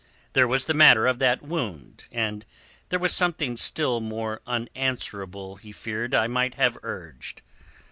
There was the matter of that wound, and there was something still more unanswerable he feared I might have urged.